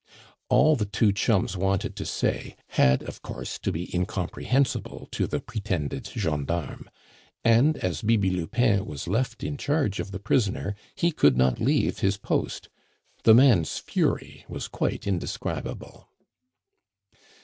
All the two chums wanted to say had, of course, to be incomprehensible to the pretended gendarme; and as Bibi Lupin was left in charge of the prisoner, he could not leave his post. The man's fury was quite indescribable.